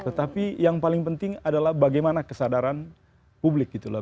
tetapi yang paling penting adalah bagaimana kesadaran publik gitu loh